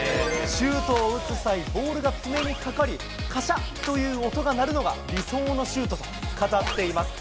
シュートを打つ際、ボールが爪にかかり、かしゃっという音が鳴るのが理想のシュートと語っています。